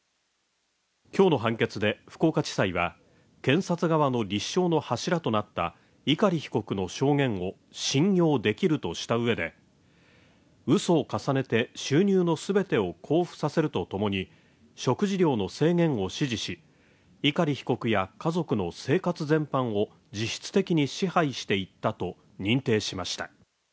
今日の判決で福岡地裁は検察側の立証の柱となった碇被告の証言を信用できるとしたうえでうそを重ねて収入の全てを交付させると共に食事量の制限を指示し碇被告や家族の生活全般を実質的に支配していったと認定しました。